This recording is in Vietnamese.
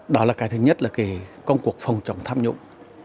đó là cái thứ nhất là cái công cuộc phòng chống tham nhũng